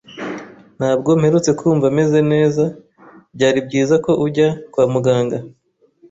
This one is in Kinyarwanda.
"Ntabwo mperutse kumva meze neza." "Byari byiza ko ujya kwa muganga."